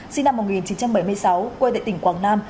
sinh năm một nghìn chín trăm bảy mươi sáu quê tại tỉnh quảng nam